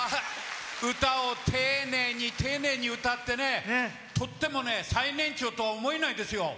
歌を丁寧に丁寧に歌ってね、とってもね最年長とは思えないですよ。